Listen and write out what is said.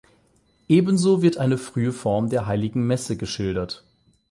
Ebenso wird eine frühe Form der Heiligen Messe geschildert.